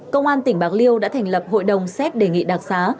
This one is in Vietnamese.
công an tỉnh bạc liêu đã thành lập hội đồng xét đề nghị đặc xá